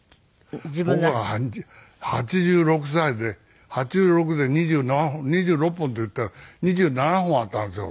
僕は８６歳で「８６で２６本」って言ったら２７本あったんですよ